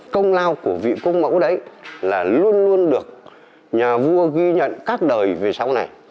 công lao của vị cung mẫu đấy là luôn luôn được nhà vua ghi nhận các đời về sau này